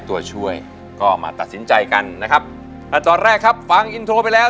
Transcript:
ตัวช่วยก็มาตัดสินใจกันนะครับตอนแรกครับฟังอินโทรไปแล้ว